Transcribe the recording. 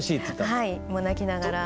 はいもう泣きながら。